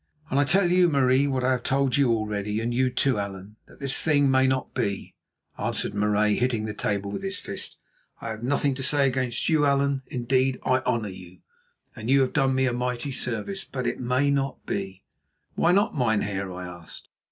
"And I tell you, Marie, what I have told you already, and you too, Allan, that this thing may not be," answered Marais, hitting the table with his fist. "I have nothing to say against you, Allan; indeed, I honour you, and you have done me a mighty service, but it may not be." "Why not, mynheer?" I asked.